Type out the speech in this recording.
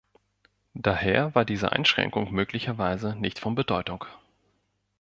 Daher war diese Einschränkung möglicherweise nicht von Bedeutung.